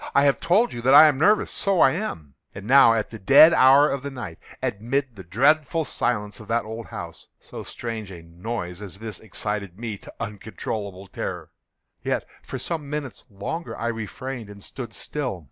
I have told you that I am nervous: so I am. And now at the dead hour of the night, amid the dreadful silence of that old house, so strange a noise as this excited me to uncontrollable terror. Yet, for some minutes longer I refrained and stood still.